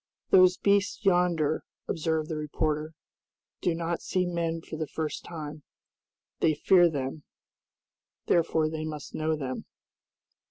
"Those beasts yonder," observed the reporter, "do not see men for the first time. They fear them, therefore they must know them."